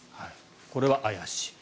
これは怪しい。